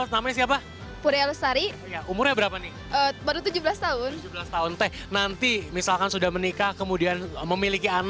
namanya siapa pudaya lestari umurnya berapa nih baru tujuh belas tahun tujuh belas tahun teh nanti misalkan sudah menikah kemudian memiliki asep dan memiliki nama asep ini